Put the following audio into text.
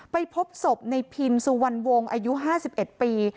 ไปพบศพในพินสุวรรณวงศ์อายุ๕๑ปี